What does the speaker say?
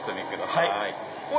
はい。